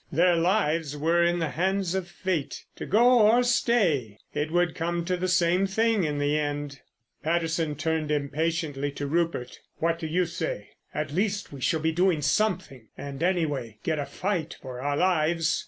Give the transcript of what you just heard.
Their lives were in the hands of fate. To go or stay—it would come to the same thing in the end. Patterson turned impatiently to Rupert. "What do you say? At least we shall be doing something, and, anyway, get a fight for our lives.